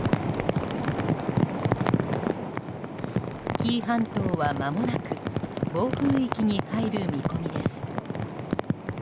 紀伊半島はまもなく暴風域に入る見込みです。